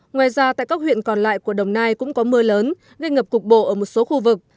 ngoài ra tại các huyện còn lại của đồng nai cũng có mưa lớn gây ngập cục bộ ở một số khu vực